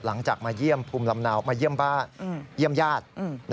หลังจากมาเยี่ยมบ้านเยี่ยมญาติ